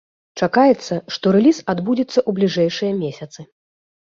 Чакаецца, што рэліз адбудзецца ў бліжэйшыя месяцы.